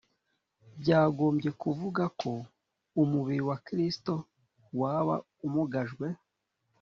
byagombye kuvuga ko umubiri wa Kristo waba umugajwe.